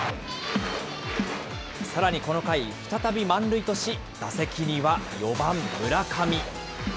さらにこの回、再び満塁とし、打席には４番村上。